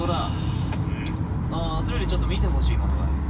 あそれよりちょっと見てほしいものがある。